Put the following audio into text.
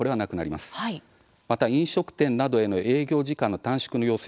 また、飲食店などへの営業時間の短縮の要請